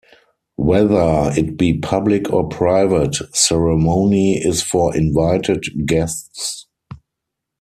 Whether it be public or private, ceremony is for invited guests.